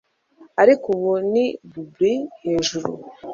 Ariko ubu ni bubblin 'hejuru